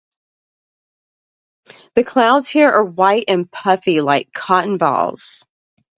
The clouds here are white and puffy like cotton balls.